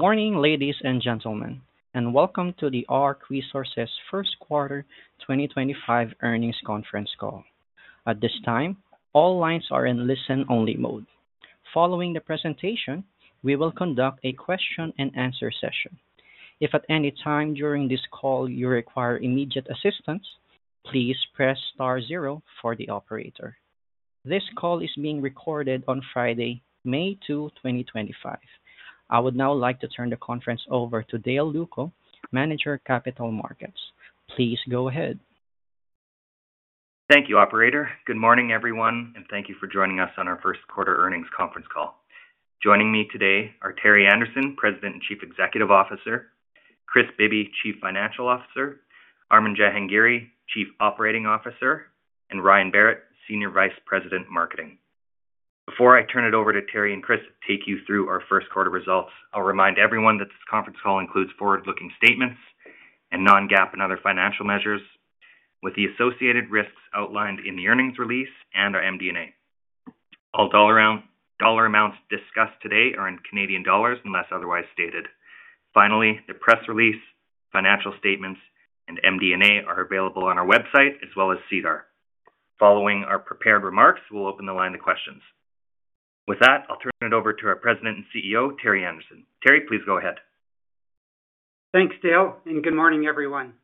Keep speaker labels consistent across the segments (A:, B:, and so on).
A: Morning, ladies and gentlemen, and welcome to the ARC Resources First Quarter 2025 earnings conference call. At this time, all lines are in listen-only mode. Following the presentation, we will conduct a question-and-answer session. If at any time during this call you require immediate assistance, please press star zero for the operator. This call is being recorded on Friday, May 2, 2025. I would now like to turn the conference over to Dale Lucko, Manager, Capital Markets. Please go ahead.
B: Thank you, Operator. Good morning, everyone, and thank you for joining us on our First Quarter earnings conference call. Joining me today are Terry Anderson, President and Chief Executive Officer; Kris Bibby, Chief Financial Officer; Armin Jahangiri, Chief Operating Officer; and Ryan Berrett, Senior Vice President, Marketing. Before I turn it over to Terry and Kris to take you through our First Quarter results, I'll remind everyone that this conference call includes forward-looking statements and non-GAAP and other financial measures, with the associated risks outlined in the earnings release and our MD&A. All dollar amounts discussed today are in CAD unless otherwise stated. Finally, the press release, financial statements, and MD&A are available on our website, as well as SEDAR. Following our prepared remarks, we'll open the line to questions. With that, I'll turn it over to our President and CEO, Terry Anderson. Terry, please go ahead.
C: Thanks, Dale, and good morning, everyone.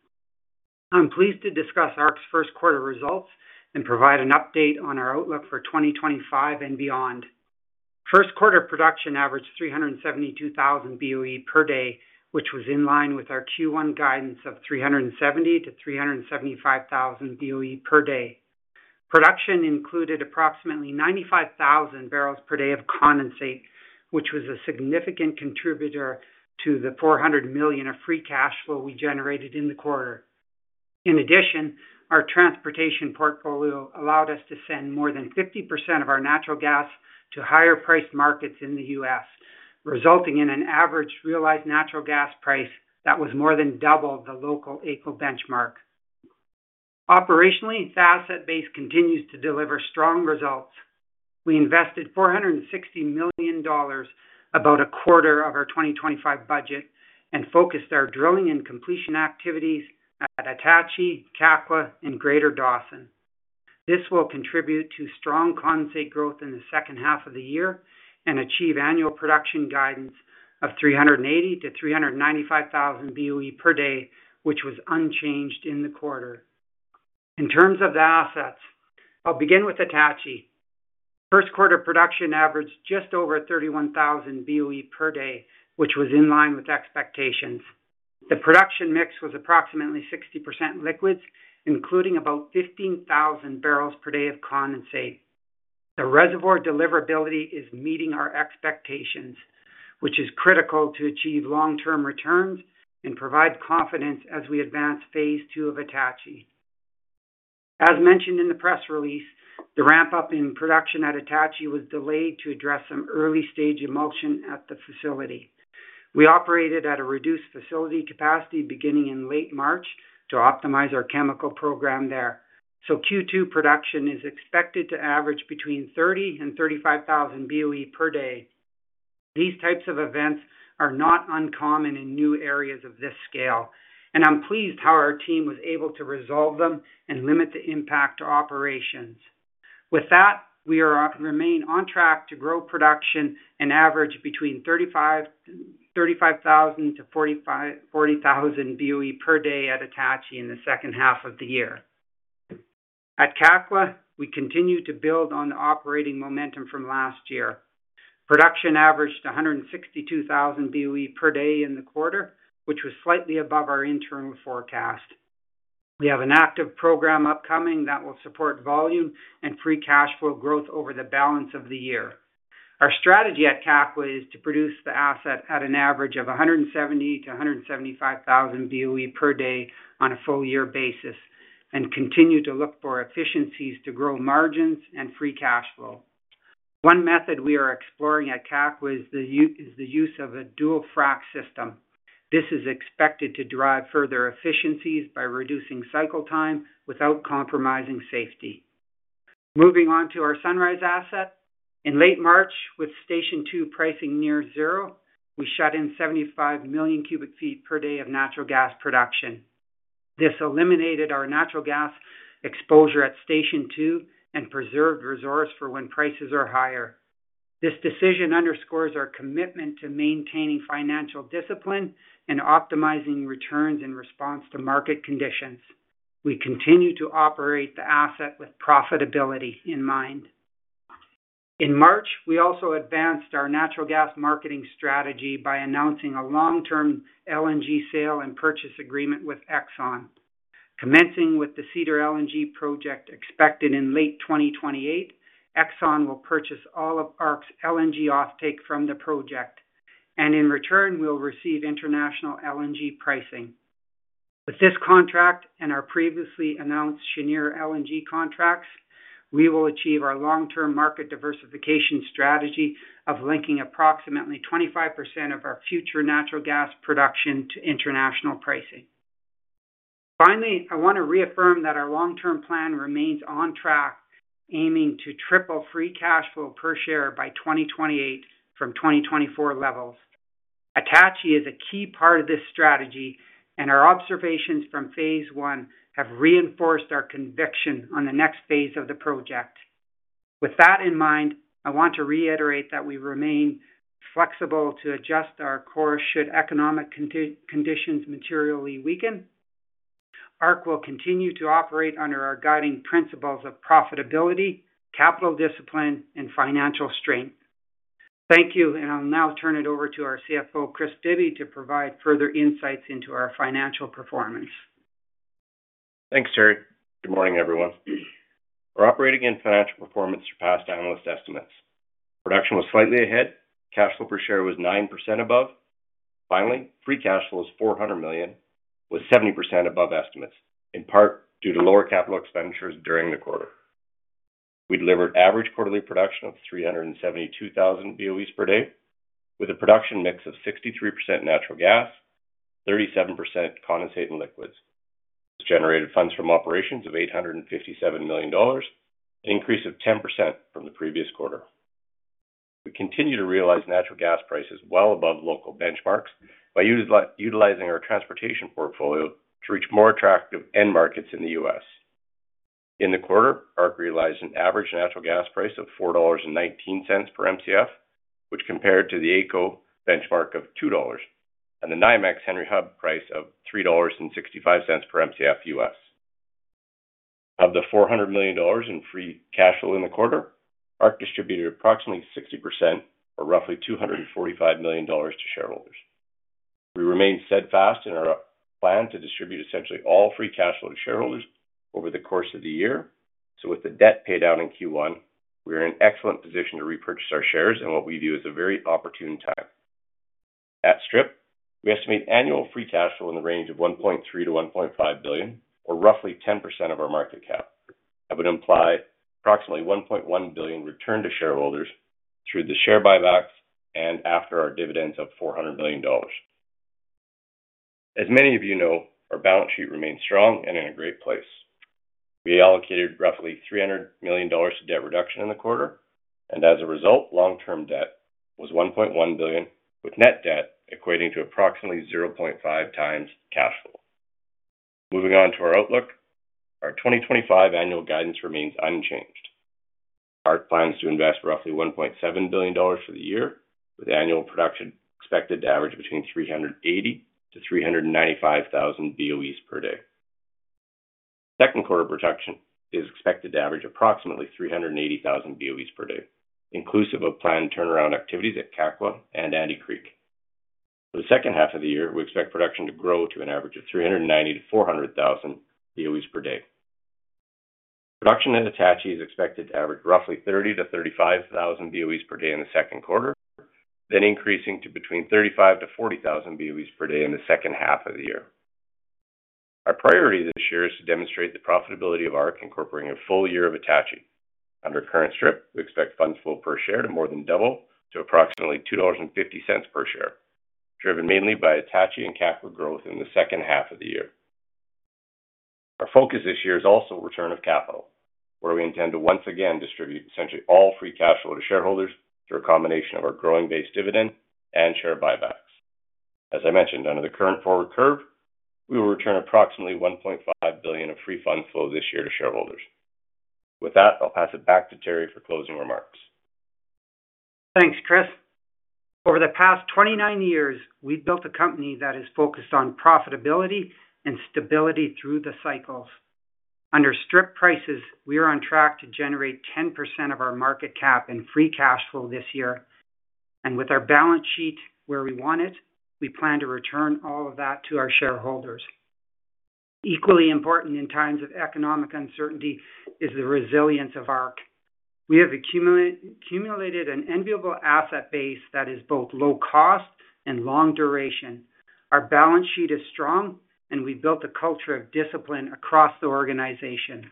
C: I'm pleased to discuss ARC's first quarter results and provide an update on our outlook for 2025 and beyond. First quarter production averaged 372,000 BOE per day, which was in line with our Q1 guidance of 370,000-375,000 BOE per day. Production included approximately 95,000 barrels per day of condensate, which was a significant contributor to the 400 million of free cash flow we generated in the quarter. In addition, our transportation portfolio allowed us to send more than 50% of our natural gas to higher-priced markets in the U.S., resulting in an average realized natural gas price that was more than double the local AECO benchmark. Operationally, the asset base continues to deliver strong results. We invested 460 million dollars, about a quarter of our 2025 budget, and focused our drilling and completion activities at Attachie, Kakwa, and Greater Dawson. This will contribute to strong condensate growth in the second half of the year and achieve annual production guidance of 380,000-395,000 BOE per day, which was unchanged in the quarter. In terms of the assets, I'll begin with Attachie. First quarter production averaged just over 31,000 BOE per day, which was in line with expectations. The production mix was approximately 60% liquids, including about 15,000 barrels per day of condensate. The reservoir deliverability is meeting our expectations, which is critical to achieve long-term returns and provide confidence as we advance phase II of Attachie. As mentioned in the press release, the ramp-up in production at Attachie was delayed to address some early-stage emulsion at the facility. We operated at a reduced facility capacity beginning in late March to optimize our chemical program there, so Q2 production is expected to average between 30,000 and 35,000 BOE per day. These types of events are not uncommon in new areas of this scale, and I'm pleased how our team was able to resolve them and limit the impact to operations. With that, we remain on track to grow production and average between 35,000-40,000 BOE per day at Attachie in the second half of the year. At Kakwa, we continue to build on the operating momentum from last year. Production averaged 162,000 BOE per day in the quarter, which was slightly above our internal forecast. We have an active program upcoming that will support volume and free cash flow growth over the balance of the year. Our strategy at Kakwa is to produce the asset at an average of 170,000-175,000 BOE per day on a full-year basis and continue to look for efficiencies to grow margins and free cash flow. One method we are exploring at Kakwa is the use of a dual-frac system. This is expected to drive further efficiencies by reducing cycle time without compromising safety. Moving on to our Sunrise asset, in late March, with Station Two pricing near zero, we shut in 75 million cubic feet per day of natural gas production. This eliminated our natural gas exposure at Station Two and preserved reserves for when prices are higher. This decision underscores our commitment to maintaining financial discipline and optimizing returns in response to market conditions. We continue to operate the asset with profitability in mind. In March, we also advanced our natural gas marketing strategy by announcing a long-term LNG sale and purchase agreement with Exxon. Commencing with the Cedar LNG project expected in late 2028, Exxon will purchase all of ARC's LNG offtake from the project, and in return, we'll receive international LNG pricing. With this contract and our previously announced Cheniere LNG contracts, we will achieve our long-term market diversification strategy of linking approximately 25% of our future natural gas production to international pricing. Finally, I want to reaffirm that our long-term plan remains on track, aiming to triple free cash flow per share by 2028 from 2024 levels. Attachie is a key part of this strategy, and our observations from phase I have reinforced our conviction on the next phase of the project. With that in mind, I want to reiterate that we remain flexible to adjust our course should economic conditions materially weaken. ARC will continue to operate under our guiding principles of profitability, capital discipline, and financial strength. Thank you, and I'll now turn it over to our CFO, Kris Bibby, to provide further insights into our financial performance.
D: Thanks, Terry. Good morning, everyone. Our operating and financial performance surpassed analyst estimates. Production was slightly ahead. Cash flow per share was 9% above. Finally, free cash flow was 400 million, with 70% above estimates, in part due to lower capital expenditures during the quarter. We delivered average quarterly production of 372,000 BOE per day, with a production mix of 63% natural gas, 37% condensate and liquids. This generated funds from operations of 857 million dollars, an increase of 10% from the previous quarter. We continue to realize natural gas prices well above local benchmarks by utilizing our transportation portfolio to reach more attractive end markets in the U.S. In the quarter, ARC realized an average natural gas price of $4.19 per MCF, which compared to the AECO benchmark of $2, and the U.S. Henry Hub price of $3.65 per Mcf. Of the 400 million dollars in free cash flow in the quarter, ARC distributed approximately 60%, or roughly 245 million dollars, to shareholders. We remain steadfast in our plan to distribute essentially all free cash flow to shareholders over the course of the year. With the debt paid out in Q1, we are in an excellent position to repurchase our shares in what we view as a very opportune time. At Strip, we estimate annual free cash flow in the range of 1.3 billion-1.5 billion, or roughly 10% of our market cap. That would imply approximately 1.1 billion returned to shareholders through the share buybacks and after our dividends of 400 million dollars. As many of you know, our balance sheet remains strong and in a great place. We allocated roughly 300 million dollars to debt reduction in the quarter, and as a result, long-term debt was 1.1 billion, with net debt equating to approximately 0.5x cash flow. Moving on to our outlook, our 2025 annual guidance remains unchanged. ARC plans to invest roughly 1.7 billion dollars for the year, with annual production expected to average between 380,000-395,000 BOEs per day. Second quarter production is expected to average approximately 380,000 BOEs per day, inclusive of planned turnaround activities at Kakwa and Ante Creek. For the second half of the year, we expect production to grow to an average of 390,000-400,000 BOEs per day. Production at Attachie is expected to average roughly 30,000-35,000 BOEs per day in the second quarter, then increasing to between 35,000-40,000 BOEs per day in the second half of the year. Our priority this year is to demonstrate the profitability of ARC incorporating a full year of Attachie. Under current strip, we expect funds flow per share to more than double to approximately 2.50 dollars per share, driven mainly by Attachie and Kakwa growth in the second half of the year. Our focus this year is also return of capital, where we intend to once again distribute essentially all free cash flow to shareholders through a combination of our growing base dividend and share buybacks. As I mentioned, under the current forward curve, we will return approximately 1.5 billion of free funds flow this year to shareholders. With that, I'll pass it back to Terry for closing remarks.
C: Thanks, Kris. Over the past 29 years, we've built a company that is focused on profitability and stability through the cycles. Under strip prices, we are on track to generate 10% of our market cap in free cash flow this year, and with our balance sheet where we want it, we plan to return all of that to our shareholders. Equally important in times of economic uncertainty is the resilience of ARC. We have accumulated an enviable asset base that is both low cost and long duration. Our balance sheet is strong, and we've built a culture of discipline across the organization.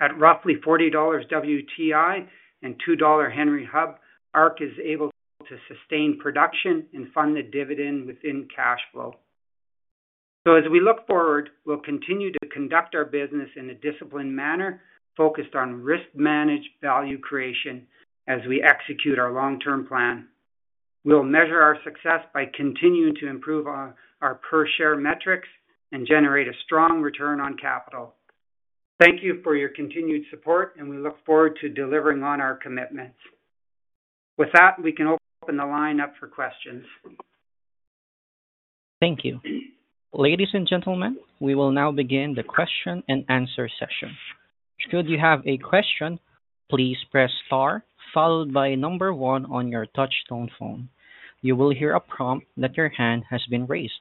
C: At roughly $40 WTI and $2 Henry Hub, ARC is able to sustain production and fund the dividend within cash flow. As we look forward, we'll continue to conduct our business in a disciplined manner, focused on risk-managed value creation as we execute our long-term plan. We'll measure our success by continuing to improve our per share metrics and generate a strong return on capital. Thank you for your continued support, and we look forward to delivering on our commitments. With that, we can open the line up for questions.
A: Thank you. Ladies and gentlemen, we will now begin the question and answer session. Should you have a question, please press star followed by number one on your touch-tone phone. You will hear a prompt that your hand has been raised.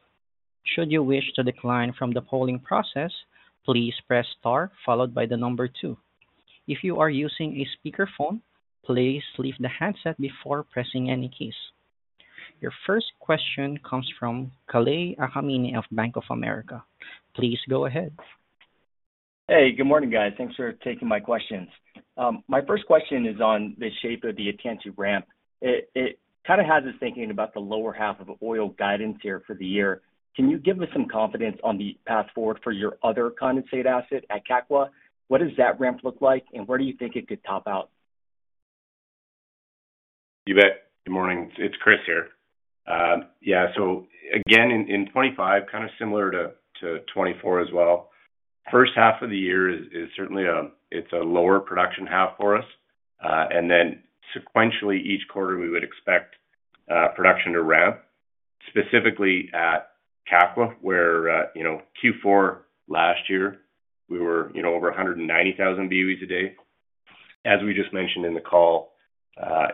A: Should you wish to decline from the polling process, please press star followed by the number two. If you are using a speakerphone, please lift the handset before pressing any keys. Your first question comes from Kalei Akamine of Bank of America. Please go ahead.
E: Hey, good morning, guys. Thanks for taking my questions. My first question is on the shape of the Kakwa ramp. It kind of has us thinking about the lower half of oil guidance here for the year. Can you give us some confidence on the path forward for your other condensate asset at Kakwa? What does that ramp look like, and where do you think it could top out?
D: You bet. Good morning. It's Kris here. Yeah, so again, in 2025, kind of similar to 2024 as well, the first half of the year is certainly a lower production half for us. Then sequentially, each quarter, we would expect production to ramp, specifically at Kakwa, where Q4 last year, we were over 190,000 BOEs a day. As we just mentioned in the call,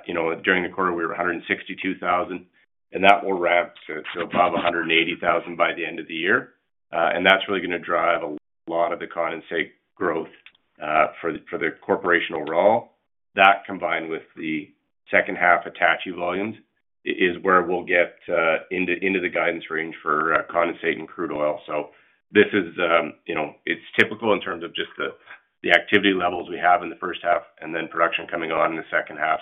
D: during the quarter, we were 162,000, and that will ramp to above 180,000 by the end of the year. That is really going to drive a lot of the condensate growth for the corporation overall. That, combined with the second half Attachie volumes, is where we'll get into the guidance range for condensate and crude oil. This is typical in terms of just the activity levels we have in the first half and then production coming on in the second half.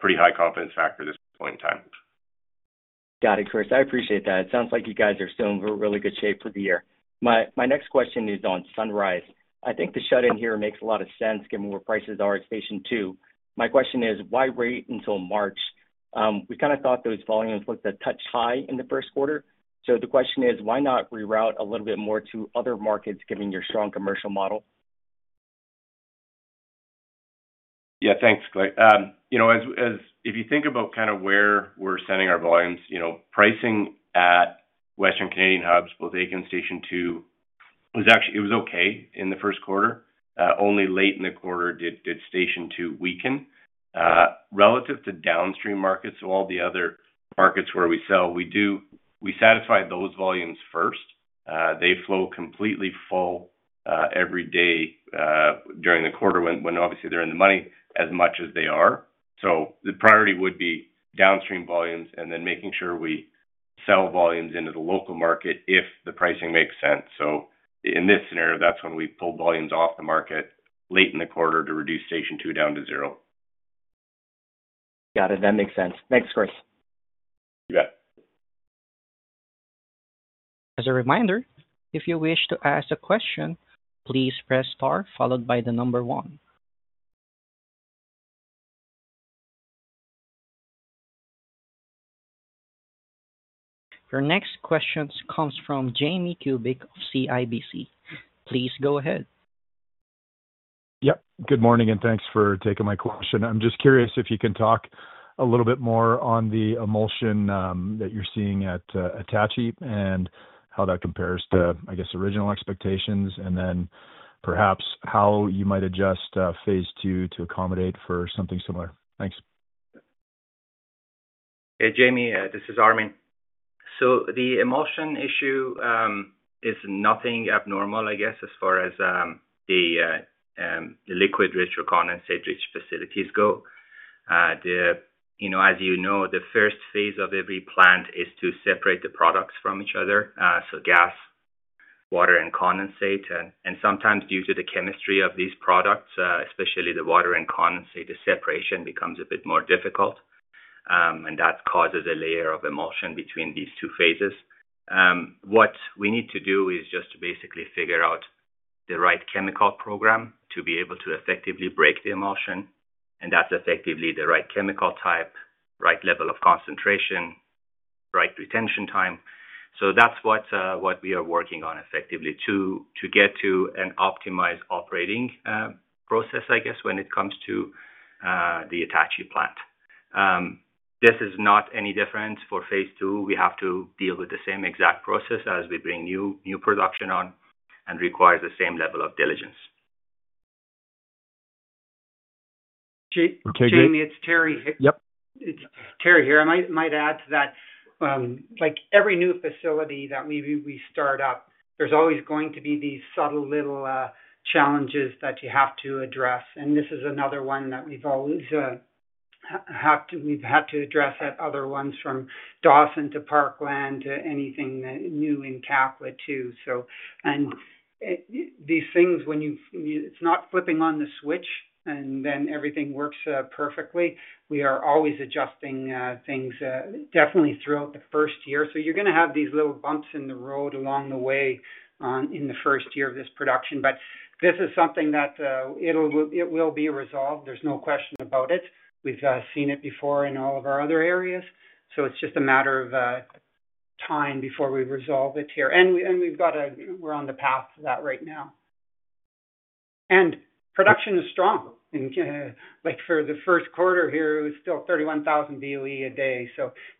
D: Pretty high confidence factor at this point in time.
E: Got it, Kris. I appreciate that. It sounds like you guys are still in really good shape for the year. My next question is on Sunrise. I think the shut-in here makes a lot of sense given where prices are at Station Two. My question is, why wait until March? We kind of thought those volumes looked a touch high in the first quarter. The question is, why not reroute a little bit more to other markets given your strong commercial model?
D: Yeah, thanks, Clay. You know, if you think about kind of where we're sending our volumes, pricing at Western Canadian hubs, both AECO and Station Two, was actually okay in the first quarter. Only late in the quarter did Station Two weaken. Relative to downstream markets, all the other markets where we sell, we satisfy those volumes first. They flow completely full every day during the quarter when, obviously, they're in the money as much as they are. The priority would be downstream volumes and then making sure we sell volumes into the local market if the pricing makes sense. In this scenario, that's when we pull volumes off the market late in the quarter to reduce Station Two down to zero.
E: Got it. That makes sense. Thanks, Kris.
D: You bet.
A: As a reminder, if you wish to ask a question, please press star followed by the number one. Your next question comes from Jamie Kubik of CIBC. Please go ahead.
F: Yep. Good morning, and thanks for taking my question. I'm just curious if you can talk a little bit more on the emulsion that you're seeing at Attachie and how that compares to, I guess, original expectations, and then perhaps how you might adjust phase II to accommodate for something similar. Thanks.
G: Hey, Jamie. This is Armin. The emulsion issue is nothing abnormal, I guess, as far as the liquid-rich or condensate-rich facilities go. As you know, the first phase of every plant is to separate the products from each other, so gas, water, and condensate. Sometimes, due to the chemistry of these products, especially the water and condensate, the separation becomes a bit more difficult, and that causes a layer of emulsion between these two phases. What we need to do is just to basically figure out the right chemical program to be able to effectively break the emulsion, and that's effectively the right chemical type, right level of concentration, right retention time. That is what we are working on effectively to get to an optimized operating process, I guess, when it comes to the Attachie plant. This is not any different for phase II. We have to deal with the same exact process as we bring new production on and requires the same level of diligence.
C: Jamie, it's Terry here.
F: Yep.
C: It's Terry here. I might add that, like every new facility that we start up, there's always going to be these subtle little challenges that you have to address. This is another one that we've had to address at other ones from Dawson to Parkland to anything new in Kakwa, too. These things, when it's not flipping on the switch and then everything works perfectly, we are always adjusting things, definitely throughout the first year. You are going to have these little bumps in the road along the way in the first year of this production. This is something that it will be resolved. There's no question about it. We've seen it before in all of our other areas. It is just a matter of time before we resolve it here. We've got a—we're on the path to that right now. Production is strong. Like for the first quarter here, it was still 31,000 BOE a day.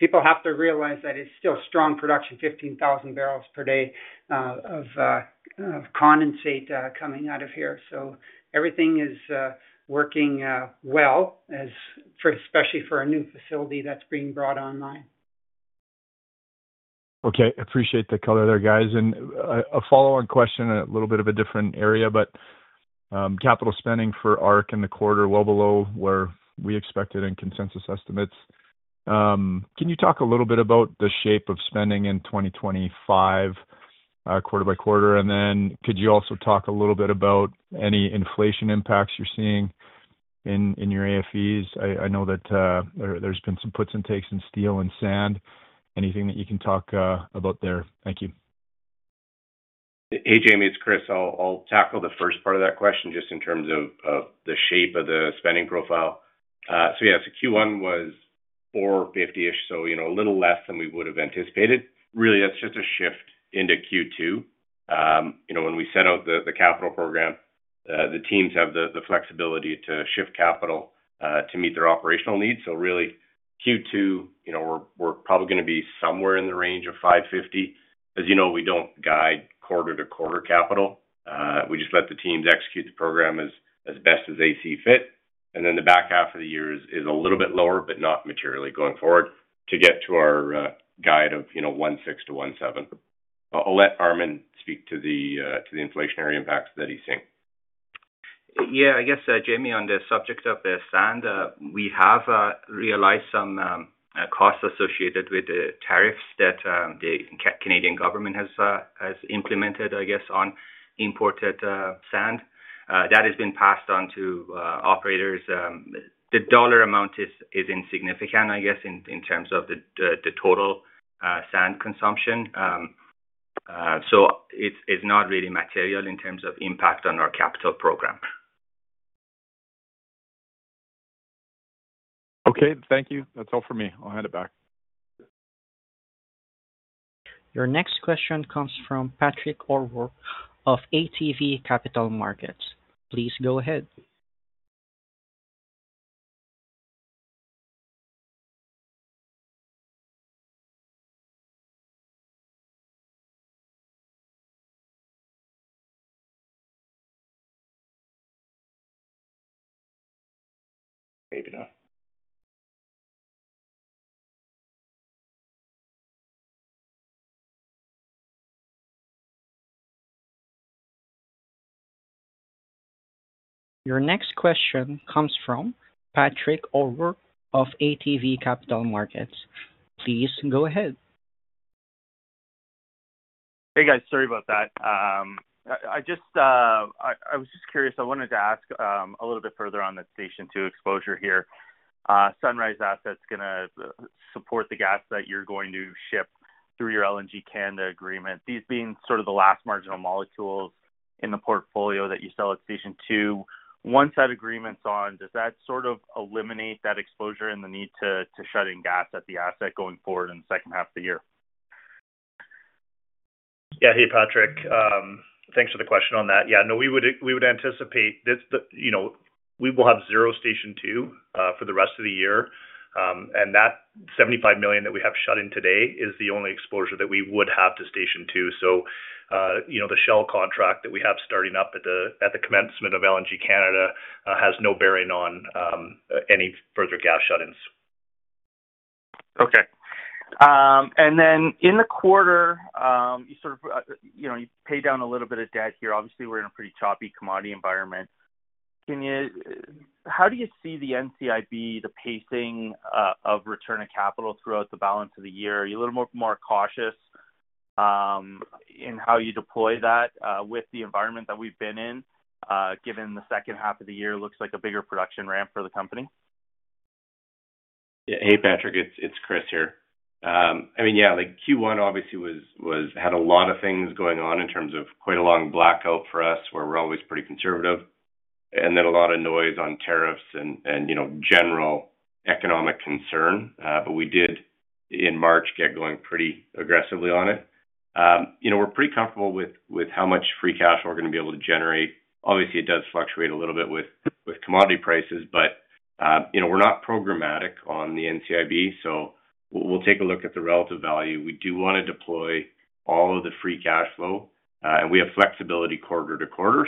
C: People have to realize that it's still strong production, 15,000 barrels per day of condensate coming out of here. Everything is working well, especially for a new facility that's being brought online.
F: Okay. Appreciate the color there, guys. A follow-on question in a little bit of a different area, but capital spending for ARC in the quarter well below where we expected in consensus estimates. Can you talk a little bit about the shape of spending in 2025, quarter by quarter? Could you also talk a little bit about any inflation impacts you're seeing in your AFEs? I know that there's been some puts and takes in steel and sand. Anything that you can talk about there? Thank you.
D: Hey, Jamie. It's Kris. I'll tackle the first part of that question just in terms of the shape of the spending profile. Q1 was 450 million, so a little less than we would have anticipated. Really, that's just a shift into Q2. When we set out the capital program, the teams have the flexibility to shift capital to meet their operational needs. Q2, we're probably going to be somewhere in the range of 550 million. As you know, we don't guide quarter-to-quarter capital. We just let the teams execute the program as best as they see fit. The back half of the year is a little bit lower, but not materially going forward, to get to our guide of 160 million-170 million. I'll let Armin speak to the inflationary impacts that he's seeing.
G: Yeah, I guess, Jamie, on the subject of the sand, we have realized some costs associated with the tariffs that the Canadian government has implemented, I guess, on imported sand. That has been passed on to operators. The dollar amount is insignificant, I guess, in terms of the total sand consumption. It is not really material in terms of impact on our capital program.
H: Okay. Thank you. That's all for me. I'll hand it back.
A: Your next question comes from Patrick O'Rourke of ATB Capital Markets. Please go ahead.
D: Maybe not.
A: Your next question comes from Patrick O'Rourke of ATB Securities. Please go ahead.
I: Hey, guys. Sorry about that. I was just curious. I wanted to ask a little bit further on the Station Two exposure here. Sunrise Assets is going to support the gas that you're going to ship through your LNG Canada agreement. These being sort of the last marginal molecules in the portfolio that you sell at Station Two. Once that agreement's on, does that sort of eliminate that exposure and the need to shut in gas at the asset going forward in the second half of the year?
D: Yeah. Hey, Patrick. Thanks for the question on that. Yeah, no, we would anticipate we will have zero Station Two for the rest of the year. And that 75 million that we have shut in today is the only exposure that we would have to Station Two. The Shell contract that we have starting up at the commencement of LNG Canada has no bearing on any further gas shut-ins.
I: Okay. In the quarter, you sort of pay down a little bit of debt here. Obviously, we're in a pretty choppy commodity environment. How do you see the NCIB, the pacing of return of capital throughout the balance of the year? Are you a little more cautious in how you deploy that with the environment that we've been in, given the second half of the year looks like a bigger production ramp for the company?
D: Hey, Patrick. It's Kris here. I mean, yeah, Q1 obviously had a lot of things going on in terms of quite a long blackout for us, where we're always pretty conservative, and then a lot of noise on tariffs and general economic concern. We did, in March, get going pretty aggressively on it. We're pretty comfortable with how much free cash we're going to be able to generate. Obviously, it does fluctuate a little bit with commodity prices, but we're not programmatic on the NCIB. We will take a look at the relative value. We do want to deploy all of the free cash flow, and we have flexibility quarter to quarter.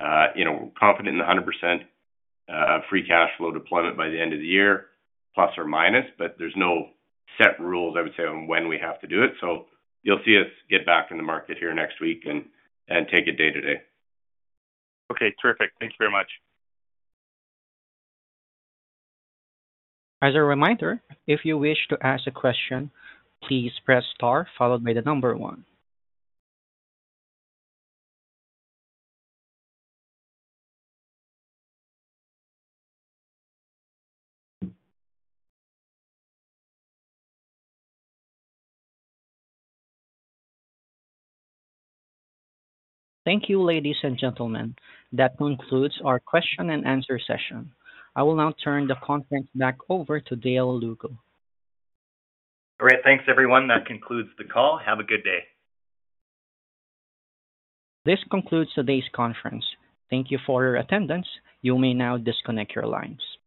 D: We're confident in the 100% free cash flow deployment by the end of the year, plus or minus, but there's no set rules, I would say, on when we have to do it. You'll see us get back in the market here next week and take it day to day.
I: Okay. Terrific. Thank you very much.
A: As a reminder, if you wish to ask a question, please press star followed by the number one. Thank you, ladies and gentlemen. That concludes our question and answer session. I will now turn the conference back over to Dale Lucko.
D: All right. Thanks, everyone. That concludes the call. Have a good day.
A: This concludes today's conference. Thank you for your attendance. You may now disconnect your lines.